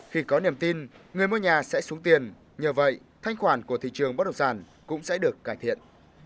khi có niềm tin người mua nhà sẽ xuống tiền nhờ vậy thanh khoản của thị trường bất động sản cũng sẽ được cải thiện